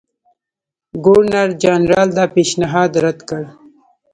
ګورنرجنرال دا پېشنهاد رد کړ.